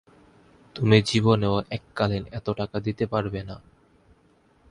তুমি জীবনেও এককালীন এত টাকা দিতে পারবে না।